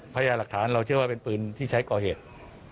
พยายามหลักฐานเราเชื่อว่าเป็นปืนที่ใช้ก่อเหตุ